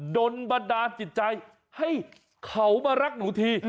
โดนบันดาลจิตใจให้เขามารักหนูที